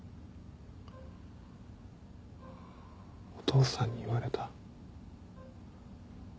お父さんに言われた。